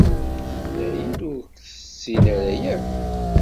Tenna-iyi-d ur k-tessin ara akk.